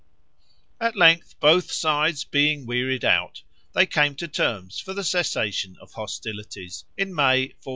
At length, both sides being wearied out, they came to terms for the cessation of hostilities, in May, 1433.